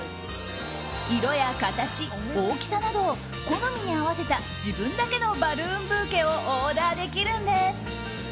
色や形大きさなど好みに合わせた自分だけのバルーンブーケをオーダーできるんです。